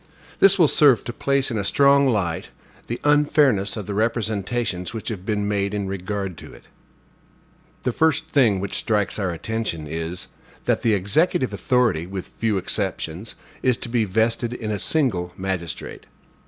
This will serve to place in a strong light the unfairness of the representations which have been made in regard to it. The first thing which strikes our attention is, that the executive authority, with few exceptions, is to be vested in a single magistrate.